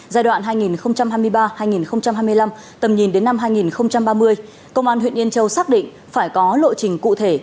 giai đoạn hai nghìn hai mươi ba hai nghìn hai mươi năm tầm nhìn đến năm hai nghìn ba mươi công an huyện yên châu xác định phải có lộ trình cụ thể